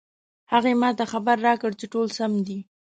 هغې ما ته خبر راکړ چې ټول سم دي